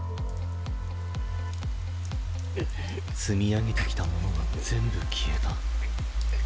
積み上げてきたものが全部消えた。